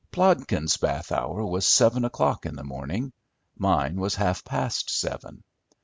Plodkins' bath hour was seven o'clock in the morning. Mine was half past seven.